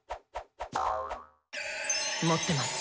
持ってます。